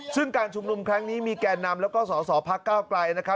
ซึ่งการชุมนุมคลั้งนี้มีแก่นำและก็ห่อพระเก้าไกร